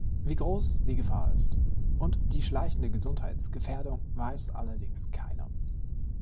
Wie groß die Gefahr ist und die schleichende Gesundheitsgefährdung, weiß allerdings keiner.